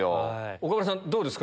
岡村さん、どうですか？